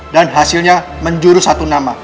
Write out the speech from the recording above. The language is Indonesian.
dan hasilnya menjurus satu nama